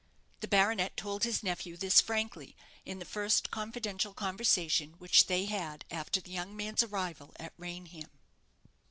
The baronet told his nephew this frankly in the first confidential conversation which they had after the young man's arrival at Raynham.